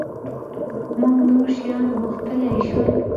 مونږ نور شیان غوښتلای شول.